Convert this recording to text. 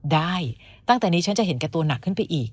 ได้ตั้งแต่นี้ฉันจะเห็นแก่ตัวหนักขึ้นไปอีก